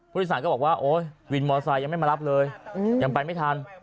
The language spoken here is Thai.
พุทธศาลก็บอกว่าวินมอเตอร์ไซด์ยังไม่มารับเลยยังไปไม่ทัน